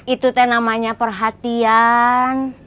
itu teh namanya perhatian